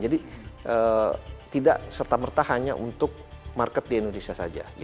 jadi tidak serta merta hanya untuk market di indonesia saja